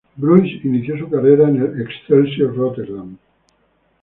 Bruins inició su carrera en el Excelsior Rotterdam.